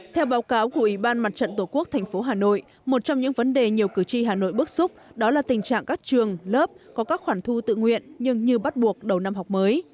theo báo cáo của ủy ban mặt trận tổ quốc tp hà nội một trong những vấn đề nhiều cử tri hà nội bức xúc đó là tình trạng các trường lớp có các khoản thu tự nguyện nhưng như bắt buộc đầu năm học mới